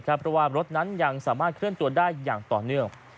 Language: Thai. เพราะว่ารถนั้นยังสามารถเคลื่อนตัวได้อย่างต่อเนื่อง